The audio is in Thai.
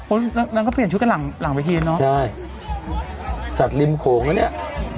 นางก็เปลี่ยนชุดกันหลังหลังเวทีเนอะใช่จากริมโขงแล้วเนี้ย